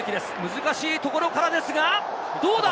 難しいところからですがどうだ？